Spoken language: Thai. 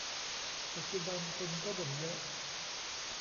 ปัจจุบัน คนก็บ่นเยอะ